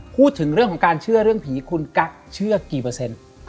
พูดถึงเรื่องของการเชื่อเรื่องผีคุณกั๊กเชื่อกี่เปอร์เซ็นต์